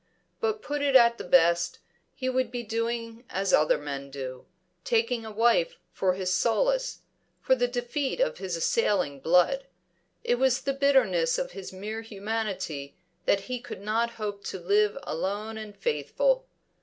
But, put it at the best, he would be doing as other men do, taking a wife for his solace, for the defeat of his assailing blood. It was the bitterness of his mere humanity that he could not hope to live alone and faithful.